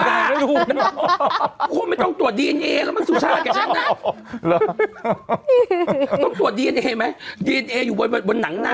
พี่ป่าเค้าไม่ต้องตรวจดีนเอแล้วมันสุรชาติใหกับฉันนะ